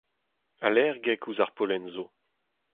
Allergek ouzh ar pollen zo.